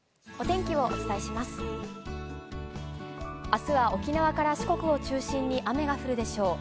あすは沖縄から四国を中心に雨が降るでしょう。